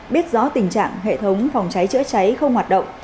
biết rõ tình trạng hệ thống phòng cháy chữa cháy không hoạt động